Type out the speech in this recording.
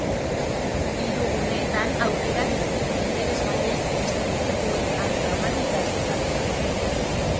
Hiru guneetan aukera biziki interesgarriak prestatu zituen Andra Mari Ikastolak.